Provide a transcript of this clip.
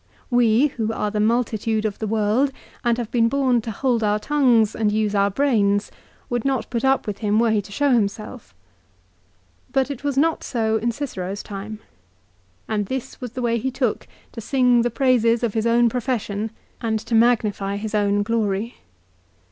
We, who are the multitude of the world and have been born to hold our tongues and use our brains, would not put up with him were he to show himself. But it was not so in Cicero's time. And this was the way he took to sing the praises of his own profession and 334 LIFE OF CICERO. to magnify his own glory.